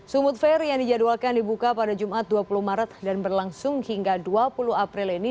sumut fair yang dijadwalkan dibuka pada jumat dua puluh maret dan berlangsung hingga dua puluh april ini